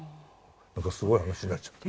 なんかすごい話になっちゃった。